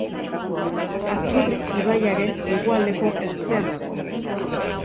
Aturri ibaiaren hegoaldeko ertzean dago.